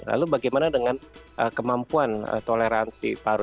lalu bagaimana dengan kemampuan toleransi paru